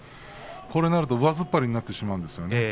これだと上突っ張りになってしまうんですよね。